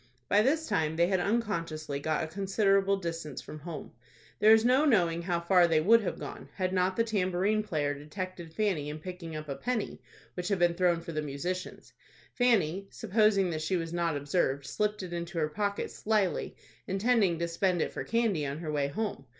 By this time they had unconsciously got a considerable distance from home. There is no knowing how far they would have gone, had not the tambourine player detected Fanny in picking up a penny which had been thrown for the musicians. Fanny, supposing that she was not observed, slipped it into her pocket slily, intending to spend it for candy on her way home.